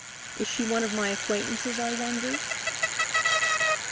Is she one of my acquaintances, I wonder?"